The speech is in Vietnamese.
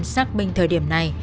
xác minh thời điểm này